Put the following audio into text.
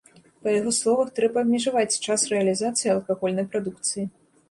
Па яго словах, трэба абмежаваць час рэалізацыі алкагольнай прадукцыі.